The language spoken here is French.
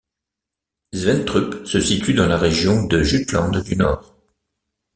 Svenstrup se situe dans la région de Jutland du Nord.